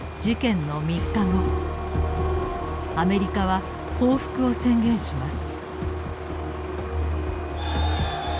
アメリカは報復を宣言します。